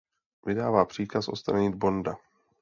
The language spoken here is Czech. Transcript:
Vydává příkaz odstranit Bonda.